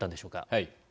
はい。